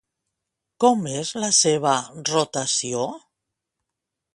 Com és la seva rotació?